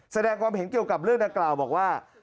แสดงความเห็นเกี่ยวกับเรื่องดังกล่าวบอกว่า